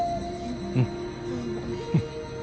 うん。